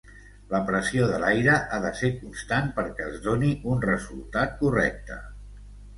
La pressió de l'aire ha de ser constant perquè es doni un resultat correcte.